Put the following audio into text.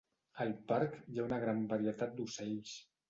Al parc hi ha una gran varietat d'ocells.